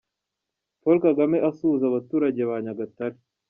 Paul Kagame asuhuza abaturage ba Nyagatare.